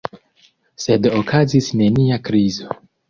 Sed okazis nenia krizo.